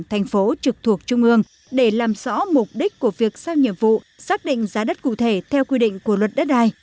thành phố trực thuộc trung ương để làm rõ mục đích của việc sang nhiệm vụ xác định giá đất cụ thể theo quy định của luật đất đai